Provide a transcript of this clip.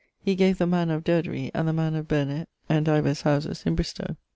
He gave the mannour of Durdery and the mannour of Burnet and divers houses in Bristowe.